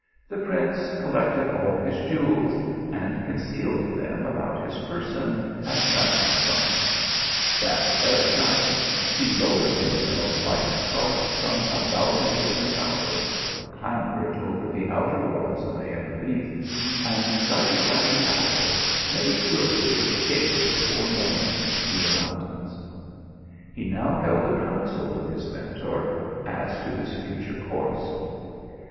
The prince collected all his jewels and concealed them about his person as travelling funds. That very night he lowered himself by his scarf from a balcony of the tower, clambered over the outer walls of the Generaiiffe, and guided by the owl, made good his escape before morning to the mountains. THE PILGRIM OF LOVE. 203 He now held a council with his Mentor as to his future course.